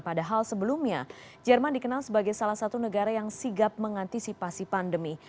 padahal sebelumnya jerman dikenal sebagai salah satu negara yang sigap mengantisipasi pandemi